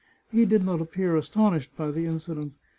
He did not appear astonished by the in cident.